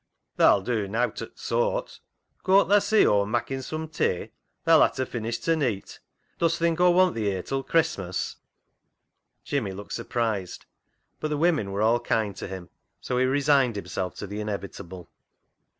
" Tha'll do nowt o' t' soart ; corn't tha see Aw'm makkin' sum tay, tha'll ha' ta finish ta neet Dost think Aw want thi here till Chresmass ?" Jimmy looked surprised, but the women were all kind to him, so he resigned himself to the inevitable.